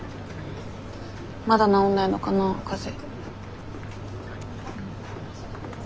まだ治んないのかな風邪。